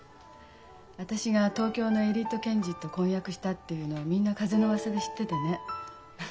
私が東京のエリート検事と婚約したっていうのはみんな風のうわさで知っててね。